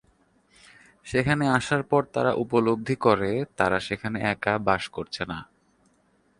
সেখানে আসার পর তারা উপলব্ধি করে তারা সেখানে একা বাস করছে না।